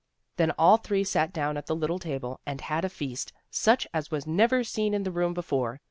Then all three sat down at the little table and had a feast, such as was never seen in the room before.